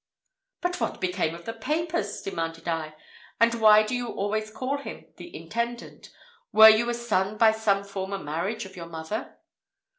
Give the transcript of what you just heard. "But what became of the papers?" demanded I; "and why do you always call him the intendant? Were you a son by some former marriage of your mother?"